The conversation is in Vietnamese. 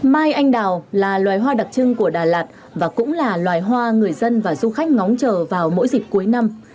mai anh đào là loài hoa đặc trưng của đà lạt và cũng là loài hoa người dân và du khách ngóng chờ vào mỗi dịp cuối năm